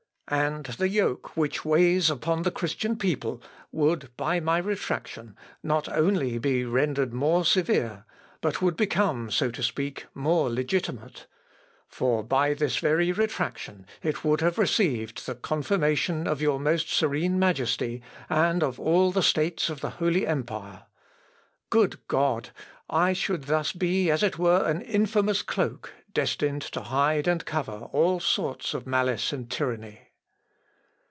And the yoke which weighs upon the Christian people would by my retractation not only be rendered more severe, but would become, so to speak, more legitimate; for by this very retractation it would have received the confirmation of your most serene Majesty and of all the States of the holy empire. Good God! I should thus be as it were an infamous cloak destined to hide and cover all sorts of malice and tyranny.